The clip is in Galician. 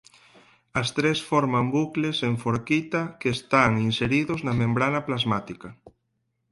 As tres forman bucles en forquita que están inseridos na membrana plasmática.